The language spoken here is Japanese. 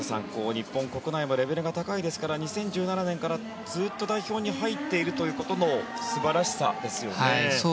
日本国内もレベルが高いですから２０１７年からずっと代表に入っているということの素晴らしさですよね。